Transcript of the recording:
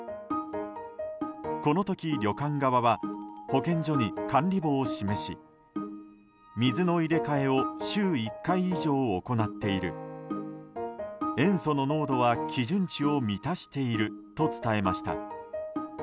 この時、旅館側は保健所に管理簿を示し水の入れ替えを週１回以上行っている塩素の濃度は基準値を満たしていると伝えました。